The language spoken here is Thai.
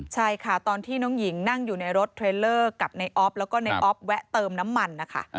ใช่ค่ะตอนที่น้องหญิงนั่งอยู่ในรถเทรลเลอร์กับในออฟแล้วก็ในออฟแวะเติมน้ำมันนะคะ